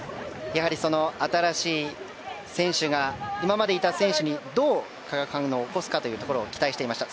新しい選手が今までいた選手にどう化学反応を起こすかというところ期待していました。